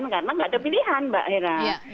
karena nggak ada pilihan mbak hera